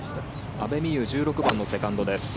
阿部未悠１６番のセカンドです。